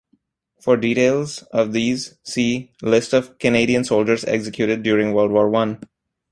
For details of these see "List of Canadian soldiers executed during World War One".